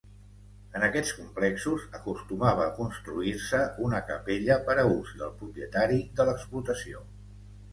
En aquests complexos acostumava a construir-se una capella per a ús del propietari de l'explotació.